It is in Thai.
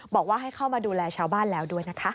บอกว่าให้เข้ามาดูแลชาวบ้านแล้วด้วยนะคะ